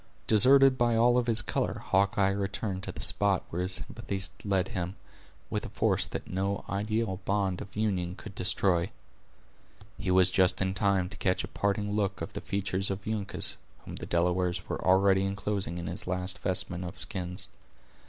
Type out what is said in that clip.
Deserted by all of his color, Hawkeye returned to the spot where his sympathies led him, with a force that no ideal bond of union could destroy. He was just in time to catch a parting look of the features of Uncas, whom the Delawares were already inclosing in his last vestment of skins.